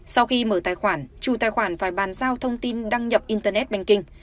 sau khi mở tài khoản chủ tài khoản phải bàn giao thông tin đăng nhập internet banking